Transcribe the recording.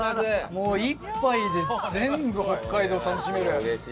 もう一杯で全部北海道楽しめる。